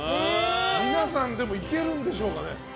皆さん、いけるんでしょうかね。